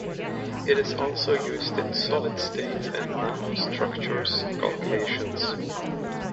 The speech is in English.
It is also used in solid state and nanostructures calculations.